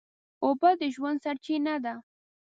اوبه د ژوند سرچینه ده.